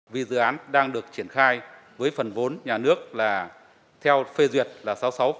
vì dự án đang được triển khai với phần vốn nhà nước là theo phê duyệt là sáu mươi sáu